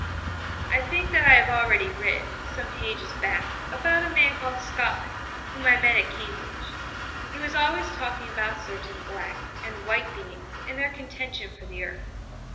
I think that I have already written, some pages back, about a man called Scotland, whom I met at Cambridge. He was always talking about certain 'Black' and 'White' beings, and their contention for the earth.